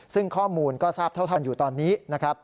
ซึ่งข้อมูลก็ทราบเท่าทันอยู่ตอนนี้นะครับ